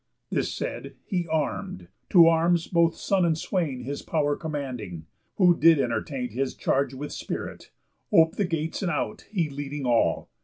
This said, he arm'd; to arms both son and swain His pow'r commanding, who did entertain His charge with spirit, op'd the gates and out, He leading all.